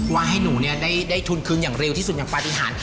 ว่าให้หนูได้ทุนคืนอย่างเร็วที่สุดอย่างปฏิหาร